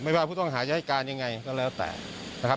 ไม่ว่าผู้ต้องหาไอยาการอย่างไรก็แล้วแต่นะครับ